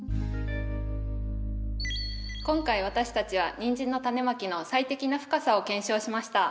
今回私たちはニンジンのタネまきの最適な深さを検証しました。